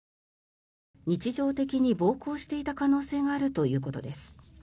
日常的に暴行していた可能性があるということです。